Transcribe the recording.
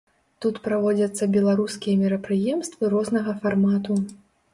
Тут праводзяцца беларускія мерапрыемствы рознага фармату.